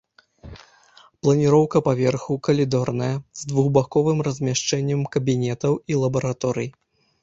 Планіроўка паверхаў калідорная, з двухбаковым размяшчэннем кабінетаў і лабараторый.